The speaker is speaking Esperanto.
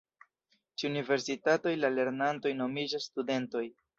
Ĉe universitatoj la lernantoj nomiĝas studentoj.